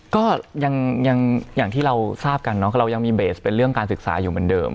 ก็ยังอย่างที่เราทราบกันเนาะเรายังมีเบสเป็นเรื่องการศึกษาอยู่เหมือนเดิม